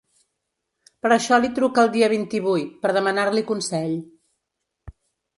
Per això li truca el dia vint-i-vuit, per demanar-li consell.